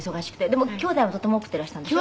でもきょうだいもとても多くていらしたんでしょ？